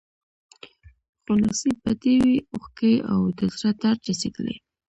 خو نصیب به دي وي اوښکي او د زړه درد رسېدلی